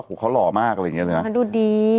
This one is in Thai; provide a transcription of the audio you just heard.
กูเค้ารอมากอะไรอย่างนี้ไหม